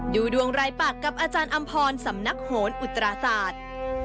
ดูดวงรายปากกับอาจารย์อำพรสำนักโหนอุตราศาสตร์